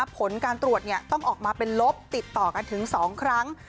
ผลการตรวจต้องออกมาเป็นลบติดต่อกันถึง๒ครั้ง